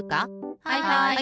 はいはい！